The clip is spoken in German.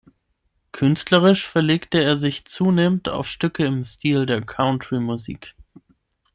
Künstlerisch verlegte er sich zunehmend auf Stücke im Stil der Country-Musik.